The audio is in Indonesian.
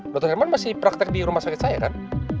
dokter herman masih praktek di rumah sakit saya kan